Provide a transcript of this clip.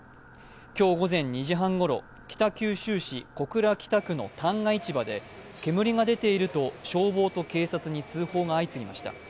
今日午前２時半ごろ北九州市小倉北区の旦過市場で煙が出ていると消防と警察に通報が相次ぎました。